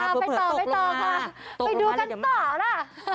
เผื่อตกลงมาตกลงมาเลยเดี๋ยวมาไปต่อกันต่อล่ะ